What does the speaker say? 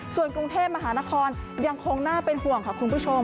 ส่วนกรุงเทพมหานครยังคงน่าเป็นห่วงค่ะคุณผู้ชม